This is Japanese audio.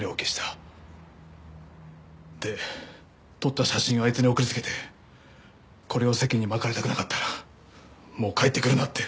で撮った写真をあいつに送りつけてこれを世間にまかれたくなかったらもう帰ってくるなって。